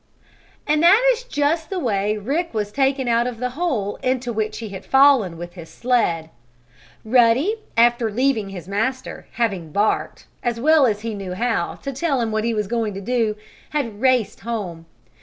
And that is just the way Rick was taken out of the hole into which he had fallen with his sled. Ruddy, after leaving his master, having barked, as well as he knew how to tell him what he was going to do, had raced home.